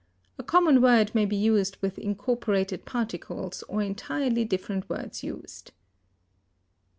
A common word may be used with incorporated particles or entirely different words used.